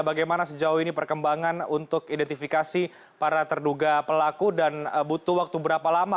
bagaimana sejauh ini perkembangan untuk identifikasi para terduga pelaku dan butuh waktu berapa lama